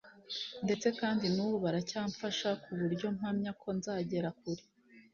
ndetse kandi n’ubu baracyamfasha ku buryo mpamya ko nzagera kure